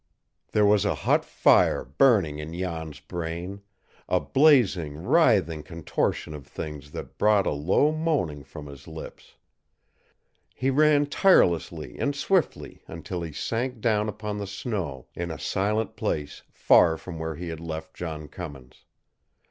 There was a hot fire burning in Jan's brain, a blazing, writhing contortion of things that brought a low moaning from his lips. He ran tirelessly and swiftly until he sank down upon the snow in a silent place far from where he had left John Cummins.